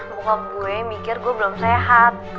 bukan gue mikir gue belum sehat